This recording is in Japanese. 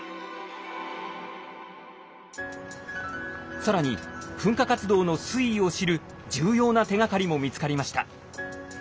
更に噴火活動の推移を知る重要な手がかりも見つかりました。